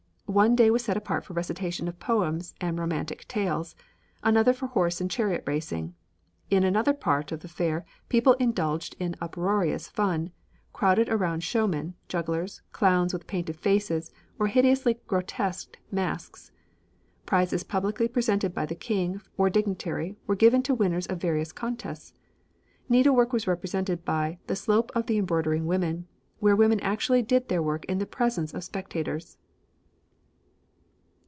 One day was set apart for recitation of poems and romantic tales, another for horse and chariot racing. In another part of the Fair people indulged in uproarious fun, crowded around showmen, jugglers, clowns with painted faces or hideously grotesqued masks. Prizes publicly presented by King or dignitary were given to winners of various contests. Needlework was represented by 'the slope of the embroidering women,' where women actually did their work in the presence of spectators."